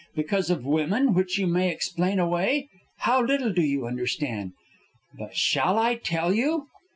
Because of women, which you may explain away? How little do you understand! But shall I tell you?"